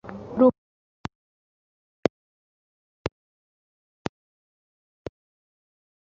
rukara arimo kureba firime kuri mudasobwa ye .